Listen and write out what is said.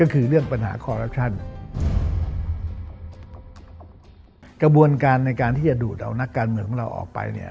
กระบวนการในการที่จะดูดเอานักการเมืองของเราออกไป